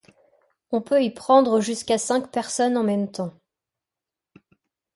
On peut y pendre jusqu'à cinq personnes en même temps.